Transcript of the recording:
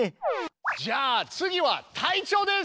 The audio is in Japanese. じゃあ次は隊長です！